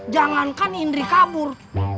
jangankan indri kabur